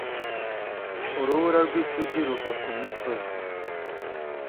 urubura rw'isugi ruva ku misozi